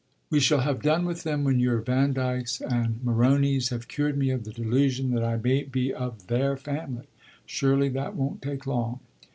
"We shall have done with them when your Vandykes and Moronis have cured me of the delusion that I may be of their family. Surely that won't take long."